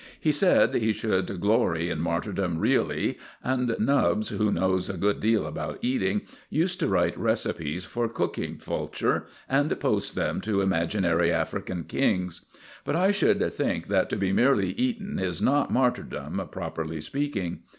He said he should glory in martyrdom really; and Nubbs, who knows a good deal about eating, used to write recipes for cooking Fulcher, and post them to imaginary African kings. But I should think that to be merely eaten is not martyrdom, properly speaking.